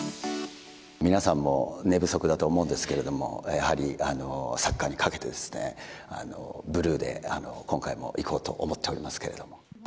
皆さんも寝不足だと思うんですけれども、やはりサッカーにかけて、ブルーで今回もいこうと思っておりますけれども。